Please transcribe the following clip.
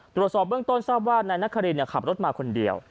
ตรวจสอบเบื้องต้นทราบว่านายนครินขับรถมาคนเดียว